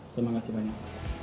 terima kasih banyak